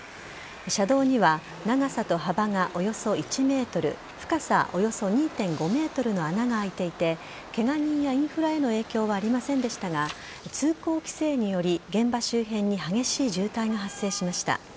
車道には長さと幅がおよそ１ｍ深さおよそ２．５ｍの穴が開いていてケガ人やインフラへの影響はありませんでしたが通行規制により現場周辺に激しい渋滞が発生しました。